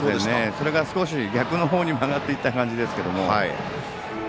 それが少し逆の方に曲がっていった感じですけれども。